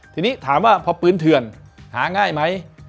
ทีนี้ถามว่าพอปืนเถื่อนหาง่ายไหม